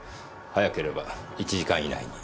早ければ１時間以内に。